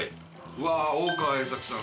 うわっ大川栄策さん